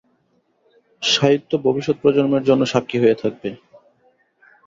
সাহিত্য ভবিষ্যৎ প্রজন্মের জন্য সাক্ষী হয়ে থাকবে।